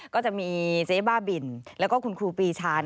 ก็จะมีเจ๊บ้าบินแล้วก็คุณครูปีชา